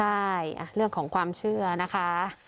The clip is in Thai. ใช่เรื่องของความเชื่อนะคะ